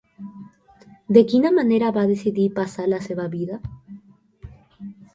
De quina manera va decidir passar la seva vida?